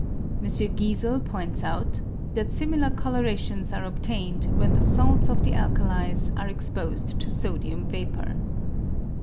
M. Giesel points out that similar colourations are obtained when the salts of the alkalis are exposed to sodium vapour.